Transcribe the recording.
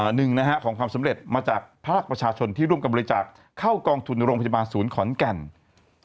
หนึ่งนะฮะของความสำเร็จมาจากภาคประชาชนที่ร่วมกันบริจาคเข้ากองทุนโรงพยาบาลศูนย์ขอนแก่น